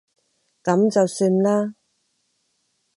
噉就算啦